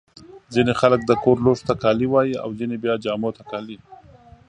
ځيني خلک د کور لوښو ته کالي وايي. او ځيني بیا جامو ته کالي.